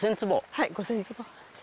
はい５０００坪。